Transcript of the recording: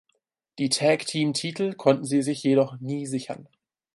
Die Tag Team Titel konnten sie sich jedoch nie sichern.